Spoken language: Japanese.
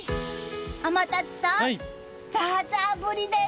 天達さん、ザーザー降りです。